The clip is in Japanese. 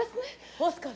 オスカル。